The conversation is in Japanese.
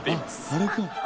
あれか。